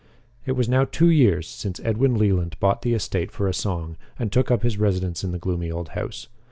It was now two years since Edwin Leland bought the estate for a song and took up his residence in the gloomy old house.